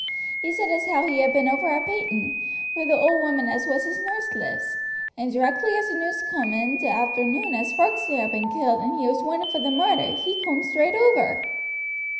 He said as how he had been over at Painton, where the old woman as was his nurse lives; and directly as the news coom in t' arternoon as Foxey had been killed and he was wanted for the murder, he coom straight over."